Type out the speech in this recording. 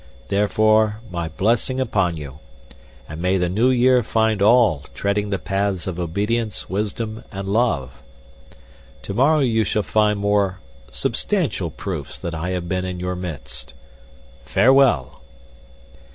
Therefore, my blessing upon you and may the new year find all treading the paths of obedience, wisdom, and love. Tomorrow you shall find more substantial proofs that I have been in your midst. Farewell!"